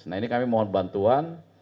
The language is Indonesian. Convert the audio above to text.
nah ini kami mohon bantuan